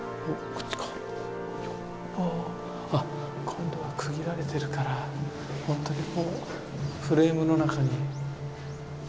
今度は区切られてるからほんとにこうフレームの中に。